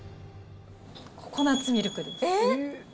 ココナッツミルクです。